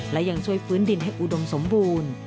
และยังช่วยฟื้นดินให้อุดมสมบูรณ์